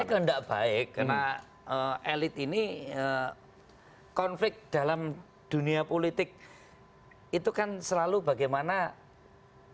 saya kena enggak baik karena elit ini konflik dalam dunia politik itu kan selalu bagaimana amplifikasi